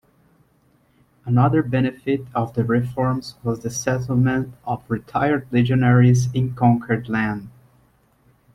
Another benefit of the reforms was the settlement of retired legionaries in conquered land.